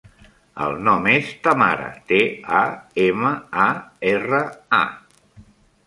El nom és Tamara: te, a, ema, a, erra, a.